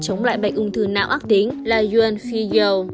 chống lại bệnh ung thư não ác tính là yuan fiyou